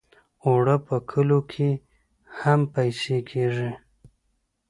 اوړه په کلو کې هم پېسې کېږي